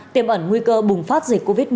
tiềm ẩn nguy cơ bùng phát dịch covid một mươi chín